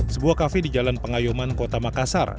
sebuah kafe di jalan pengayuman kota makassar